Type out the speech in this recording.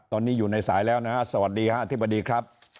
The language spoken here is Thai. ตอนนี้อยู่ในสายแล้วนะฮะสวัสดีครับอธิบดีครับ